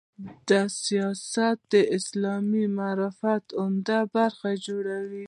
دا د سیاسي اسلام معرفت عمده برخه جوړوي.